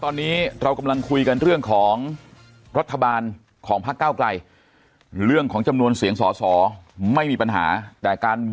ตอนนี้เรากำลังคุยกันเรื่องของรัฐบาลของภาคเก้าใกล้